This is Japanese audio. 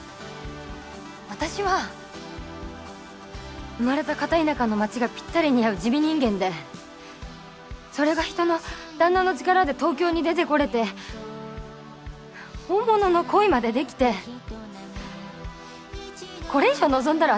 私は生まれた片田舎の町がぴったり似合う地味人間でそれが人の旦那の力で東京に出てこれて本物の恋までできてこれ以上望んだら私